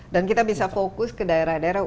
dan kita bisa fokus ke daerah daerah